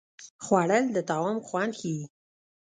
خوړل د طعام خوند ښيي